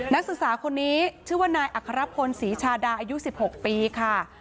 นักศึกษาคนนี้ชื่อว่านายอัครพลศรีชาดาอายุ๑๖ปีค่ะ